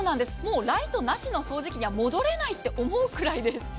もうライトなしの掃除機には戻れないと思うくらいです。